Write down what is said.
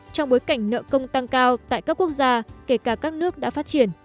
trong bối cảnh nợ công tăng cao tại các quốc gia kể cả các nước đã phát triển